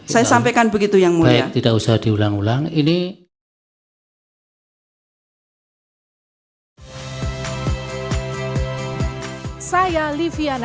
saya sampaikan begitu yang mulia